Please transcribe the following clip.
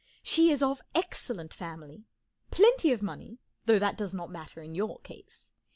She is of excellent family—plenty of money, though that does not matter in your case.